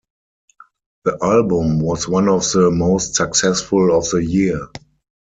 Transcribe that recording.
The album was one of the most successful of the year.